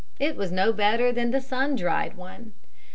It was no better than the sun dried one.